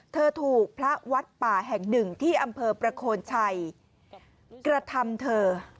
เธอถูกพระวัดป่าแห่งหนึ่งที่อำเภอประโคนชัยกระทำเธอ